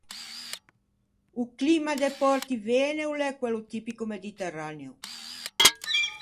O climma de Portivene o l’é quello tipico mediterraneo.